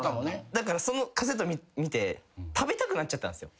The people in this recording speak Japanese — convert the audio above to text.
だからそのカセット見て食べたくなっちゃったんですよ。